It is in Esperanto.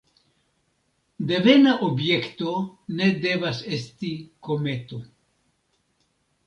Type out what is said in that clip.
Devena objekto ne devas esti kometo.